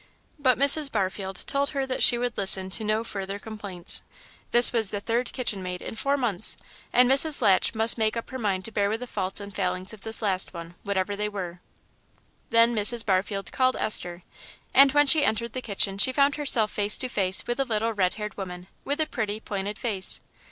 But Mrs. Barfield told her that she would listen to no further complaints; this was the third kitchen maid in four months, and Mrs. Latch must make up her mind to bear with the faults and failings of this last one, whatever they were. Then Mrs. Barfield called Esther; and when she entered the kitchen she found herself face to face with a little red haired woman, with a pretty, pointed face.